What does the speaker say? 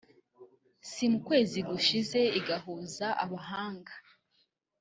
C mu kwezi gushize igahuza abahanga